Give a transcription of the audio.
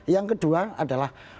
yang kedua adalah